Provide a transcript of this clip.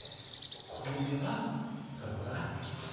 ここに打てば取ることができます。